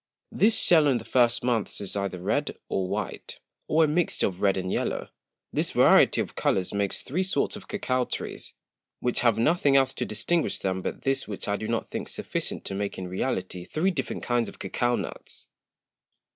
This Shell in the first Months is either red or white, or a Mixture of red and yellow: This Variety of Colours makes three sorts of Cocao Trees, which have nothing else to distinguish them but this, which I do not think sufficient to make in reality three different kinds of _Cocao Nuts_[d].